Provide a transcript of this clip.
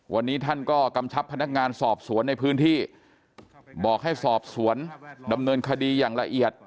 วันนี้ท่านก็กำชับพนักงานสอบสวนในพื้นที่บอกให้สอบสวนดำเนินคดีอย่างละเอียด